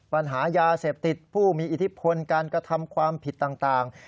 ปัญหายาเสพติดผู้มีอิทธิพลการกระทำความผิดต่าง